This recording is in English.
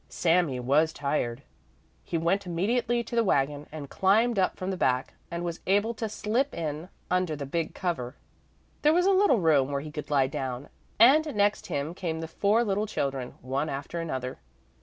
Sami was tired. He went immediately to the wagon and climbed up from the back, and was able to slip in under the big cover. There was a little room where he could lie down, and next him came the four little children, one after another.